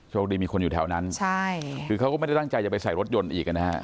คดีมีคนอยู่แถวนั้นใช่คือเขาก็ไม่ได้ตั้งใจจะไปใส่รถยนต์อีกนะฮะ